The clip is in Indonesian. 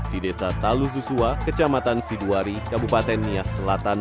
di desa talu zusua kecamatan sidoari kabupaten nias selatan